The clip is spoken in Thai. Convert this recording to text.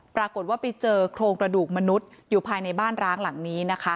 ปรากฏว่าไปเจอโครงกระดูกมนุษย์อยู่ภายในบ้านร้างหลังนี้นะคะ